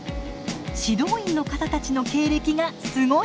指導員の方たちの経歴がすごいんです。